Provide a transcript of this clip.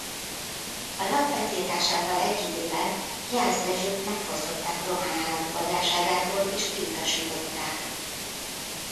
A lap betiltásával egy időben Jász Dezsőt megfosztották román állampolgárságától és kiutasították.